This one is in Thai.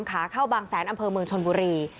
ขาเข้าบางแสนอำเภอเมืองชนบุรี